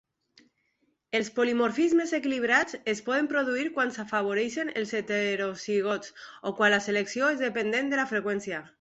Els polimorfismes equilibrats es poden produir quan s'afavoreixen els heterozigots o quan la selecció és dependent de la freqüència.